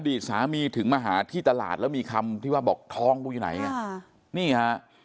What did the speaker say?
สามีถึงมาหาที่ตลาดแล้วมีคำที่ว่าบอกทองกูอยู่ไหนนี่ฮะ